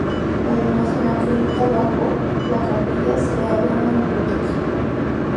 Además, en la cripta bajo la capilla se halla una biblioteca.